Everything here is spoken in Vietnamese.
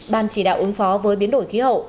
ban chỉ đạo ứng phó với biến đổi khí hậu